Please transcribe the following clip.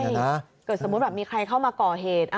ใช่เกิดสมมุติแบบมีใครเข้ามาก่อเหตุ